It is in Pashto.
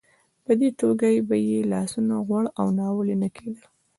په دې توګه به یې لاسونه غوړ او ناولې نه کېدل.